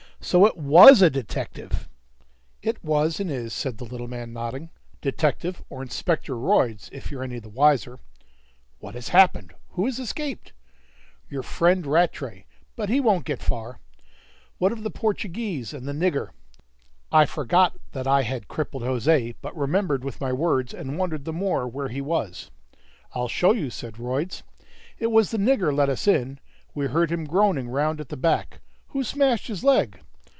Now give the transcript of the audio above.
"So it was a detective!" "It was and is," said the little man, nodding. "Detective or Inspector Royds, if you're any the wiser. "What has happened? Who has escaped?" "Your friend Rattray; but he won't get far." "What of the Portuguese and the nigger?" I forgot that I had crippled José, but remembered with my words, and wondered the more where he was. "I'll show you," said Royds. "It was the nigger let us in. We heard him groaning round at the back who smashed his leg?